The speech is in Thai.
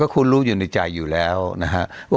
คุณรู้อยู่ในใจอยู่แล้วนะครับ